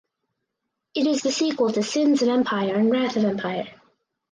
It is the sequel to "Sins of Empire" and "Wrath of Empire".